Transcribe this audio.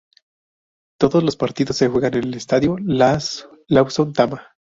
Todos los partidos se juegan en el Estadio Lawson Tama.